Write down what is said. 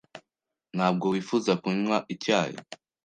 Ntabwo wifuza kunywa icyayi?